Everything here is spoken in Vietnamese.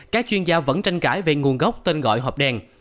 các chuyên gia vẫn tranh cãi về nguồn gốc tên gọi hộp đen